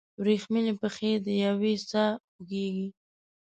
وریښمینې پښې دیوې ساه خوږیږي